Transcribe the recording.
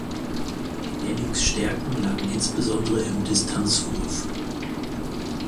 Hennigs Stärken lagen insbesondere im Distanzwurf.